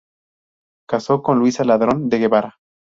Casó con Luisa Ladrón de Guevara.